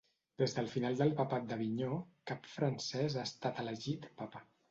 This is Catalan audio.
Des del final del Papat d'Avinyó, cap francès ha estat elegit papa.